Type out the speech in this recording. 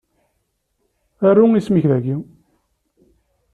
Aru isem-ik dagi.